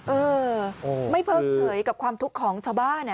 เออไม่เพิกเฉยกับความทุกข์ของชาวบ้าน